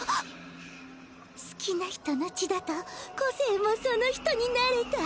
好きな人の血だと個性もその人になれた。